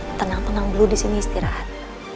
udah mama mama tenang tenang dulu disini istirahat